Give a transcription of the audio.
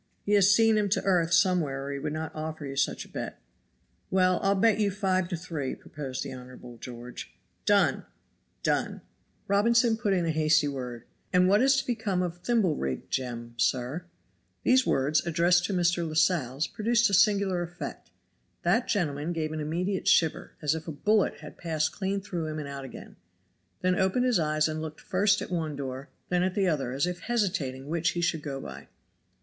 He has seen him to earth somewhere or he would not offer you such a bet." "Well, I'll bet you five to three," proposed the Honorable George. "Done!" "Done!" Robinson put in a hasty word: "And what is to become of Thimble rig Jem, sir?" These words, addressed to Mr. Lascelles, produced a singular effect. That gentleman gave an immediate shiver, as if a bullet had passed clean through him and out again, then opened his eyes and looked first at one door then at the other as if hesitating which he should go by.